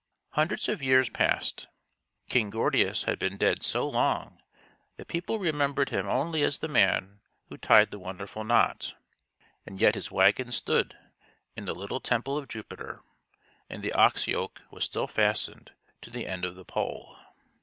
Hundreds of years passed. King Gordius had been dead so long that people remembered him only as the man who tied the wonderful knot. And yet his wagon stood in the little temple of Jupiter, and the ox yoke was still fastened to the end of the pole.